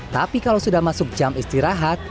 tapi kalau sudah masuk jam istirahat